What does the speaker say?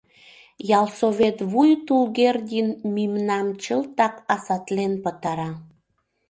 Ялсовет вуй Тулгердин мимнам чылтак асатлен пытара.